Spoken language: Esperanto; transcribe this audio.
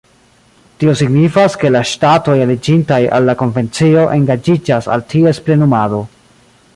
Tio signifas, ke la ŝtatoj aliĝintaj al la konvencio engaĝiĝas al ties plenumado.